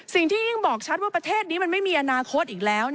ยิ่งบอกชัดว่าประเทศนี้มันไม่มีอนาคตอีกแล้ว